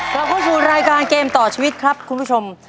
ขอบคุณผู้ชมรายการเกมต่อชีวิตครับคุณผู้ชม